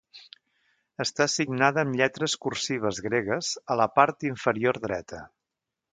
Està signada amb lletres cursives gregues, a la part inferior dreta.